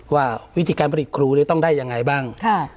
ว่าวิธีการผลิตครูต้องได้ยังไงบ้าง